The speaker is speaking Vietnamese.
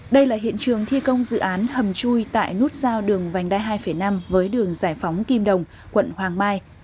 đây là hiện trường thi công dự án hầm chui tại nút giao đường vành đai hai năm với đường giải phóng kim đồng quận hoàng mai